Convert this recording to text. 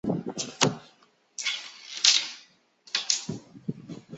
波士顿影评人协会奖最佳是波士顿影评人协会奖的主要奖项之一。